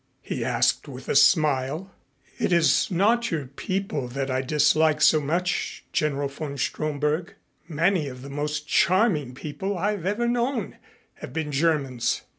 he asked with a smile. "It is not your people that I dislike so much, General von Stromberg. Many of the most charming people I have ever known have been Germans.